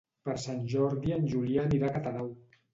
Per Sant Jordi en Julià anirà a Catadau.